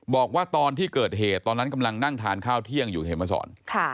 บอกว่าตอนที่เกิดเหตุตอนนั้นกำลังนั่งทานข้าวเที่ยงอยู่เห็นมาสอน